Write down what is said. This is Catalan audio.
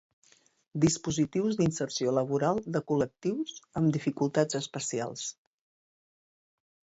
Dispositius d'inserció laboral de col·lectius amb dificultats especials.